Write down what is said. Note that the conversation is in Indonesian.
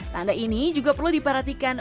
tanda ini juga perlu diperhatikan